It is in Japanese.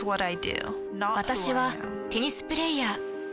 私はテニスプレイヤー。